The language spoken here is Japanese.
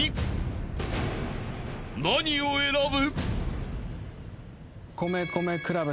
［何を選ぶ？］